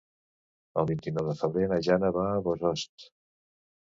El vint-i-nou de febrer na Jana va a Bossòst.